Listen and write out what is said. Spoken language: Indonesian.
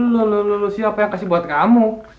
lo lo lo siapa yang kasih buat kamu